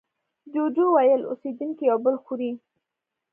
جوجو وویل اوسېدونکي یو بل خوري.